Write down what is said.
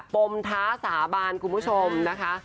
มท้าสาบานคุณผู้ชมนะคะ